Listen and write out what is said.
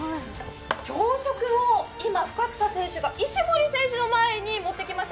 朝食を今、深草選手が石森選手の前に持ってきました。